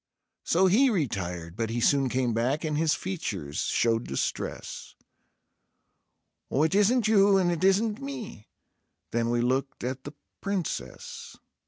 So he retired; but he soon came back, and his features showed distress: "Oh, it isn't you and it isn't me." ... Then we looked at the Princess.